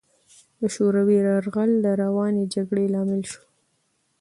د شوروي یرغل د روانې جګړې لامل شو.